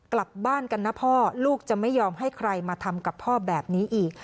กลับบ้านกันนะพ่อลูกจะไม่ยอมให้ใครมาทำกับพ่อแบบนี้อีก